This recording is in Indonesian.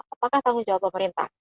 apakah tanggung jawab pemerintah